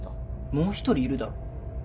もう一人いるだろ。